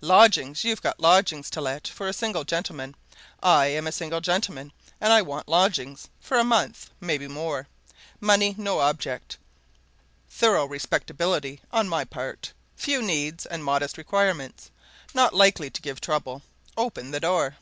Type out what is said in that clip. "Lodgings! You've lodgings to let for a single gentleman. I'm a single gentleman, and I want lodgings. For a month maybe more. Money no object. Thorough respectability on my part. Few needs and modest requirements. Not likely to give trouble. Open the door!"